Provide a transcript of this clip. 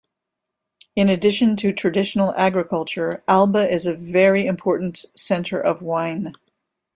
In addition to traditional agriculture, Alba is a very important center of wine.